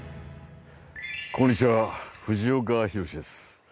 こんにちは藤岡弘、です。